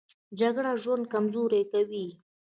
جګړه ژوند کمزوری کوي